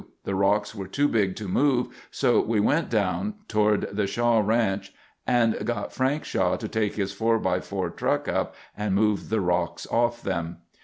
The rocks were too big to move, so we went down toward the Shaw Ranch and got Frank Shaw to take his 4×4 truck up and move the rocks off them.